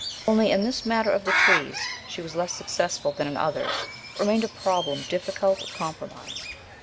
Only in this matter of the trees she was less successful than in others. It remained a problem difficult of compromise.